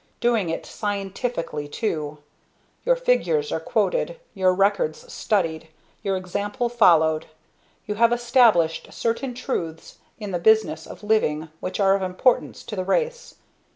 Doing it scientifically, too. Your figures are quoted, your records studied, your example followed. You have established certain truths in the business of living which are of importance to the race.